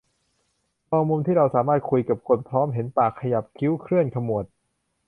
มองมุมที่เราสามารถคุยกับคนพร้อมเห็นปากขยับ คิ้วเคลื่อนขมวด